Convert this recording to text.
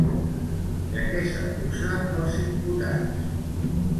De què s'acusa els imputats?